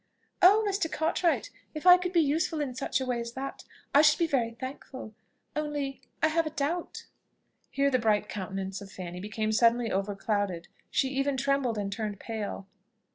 "Oh! Mr. Cartwright! If I could be useful in such a way as that, I should be very thankful; only I have a doubt." Here the bright countenance of Fanny became suddenly overclouded; she even trembled, and turned pale.